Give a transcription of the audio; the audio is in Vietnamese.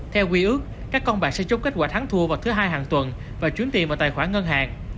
theo quy ước các con bạn sẽ chốt kết quả thắng thua vào thứ hai hàng tuần và chuyến tiền vào tài khoản ngân hàng